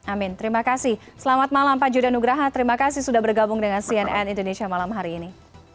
amin terima kasih selamat malam pak judah nugraha terima kasih sudah bergabung dengan cnn indonesia malam hari ini